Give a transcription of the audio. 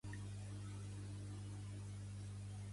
La teva filla ha quedat ben casada o ben caçada?